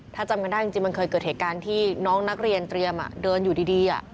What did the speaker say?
ถ้าจำกันได้จริงมันเคยเกิดเหตุการณ์ที่น้องนักเรียนเตรียมเดินอยู่ดี